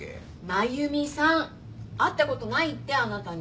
真由美さん会ったことないってあなたに。